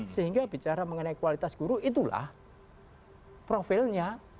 sehingga bicara mengenai kualitas guru itulah profilnya